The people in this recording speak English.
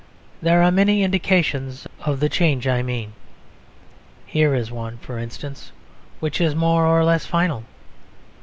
There are many indications of the change I mean. Here is one, for instance, which is more or less final.